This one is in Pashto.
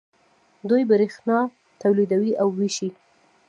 دوی بریښنا تولیدوي او ویشي.